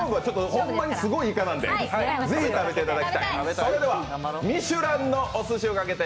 ホンマにすごいいかなんで、ぜひ食べていただきたい。